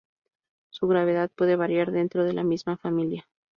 Su gravedad puede variar dentro de la misma familia.